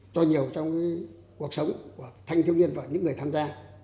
cho nhiều trong cuộc sống của thanh thiếu niên và những người tham gia